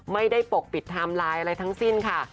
ปกปิดไทม์ไลน์อะไรทั้งสิ้นค่ะ